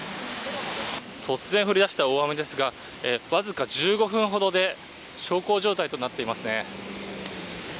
突然降りだした大雨ですがわずか１５分ほどで小康状態となっていますね。